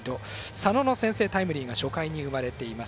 佐野の先制タイムリーヒットが生まれています。